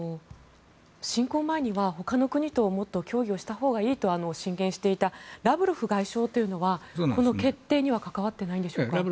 侵攻前にはほかの国ともっと協議をしたほうがいいと進言していたラブロフ外相というのはこの決定には関わっていないんでしょうか。